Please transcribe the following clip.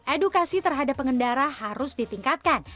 edukasi terhadap pengendara harus ditingkatkan